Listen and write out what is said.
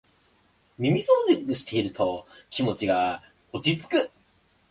耳そうじしてると気持ちが落ちつく